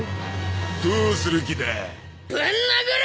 どうする気だぶん殴る！